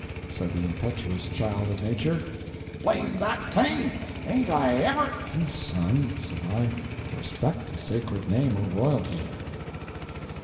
Said the impetuous child of nature: "Blame that King, ain't I ever—" "Peace, son!" said I; "respect the sacred name of royalty."